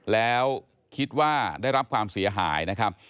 แล้วคิดว่าได้รับความเสียหายนะครับ